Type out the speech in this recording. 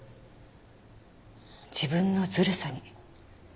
自分のずるさに。